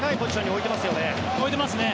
置いてますね。